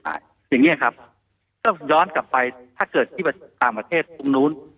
อย่างนี้ครับก็ย้อนกลับไปถ้าเกิดที่กาลเมธศพรึ่งนู้น